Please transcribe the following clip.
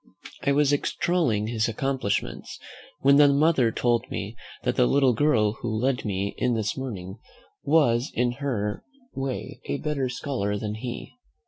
I was extolling his accomplishments, when the mother told me that the little girl who led me in this morning was in her way a better scholar than he.